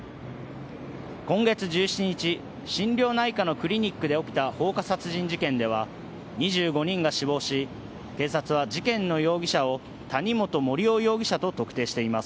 今月１７日、心療内科のクリニックで起きた放火殺人事件では、２５人が死亡し、警察は事件の容疑者を谷本盛雄容疑者と特定しています。